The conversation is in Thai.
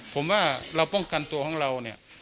ผมว่าเราป้องกันตัวของเราเนี่ย